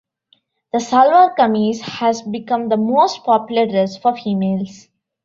The salwar kameez has become the most popular dress for females.